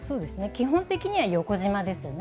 基本的には横じまですね。